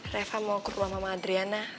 reva mau ke rumah mama adriana